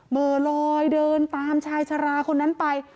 หมอลอยเดินตามชายชะลาคนนั้นไป